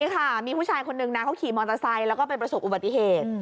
ใช่ค่ะมีผู้ชายคนนึงนะเขาขี่มอเตอร์ไซค์แล้วก็ไปประสบอุบัติเหตุ